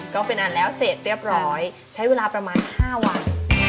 ก็เป็นอันแล้วเสร็จเรียบร้อยใช้เวลาประมาณ๕วัน